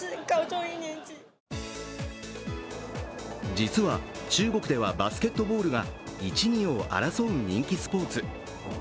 実は、中国ではバスケットボールが１、２を争う人気スポーツ。